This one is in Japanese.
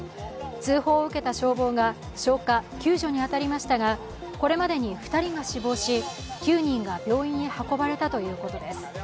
通報を受けた消防が消火救助に当たりましたがこれまでに２人が死亡し、９人が病院へ運ばれたということです。